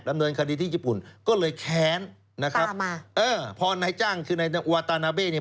ดำเนินคดีที่ญี่ปุ่นก็เลยแขนตามมาพอนายจ้างคือวาตานาเบ้เนี่ย